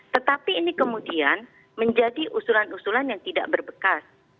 tetapi ini kemudian menjadi usulan usulan yang tidak berbekas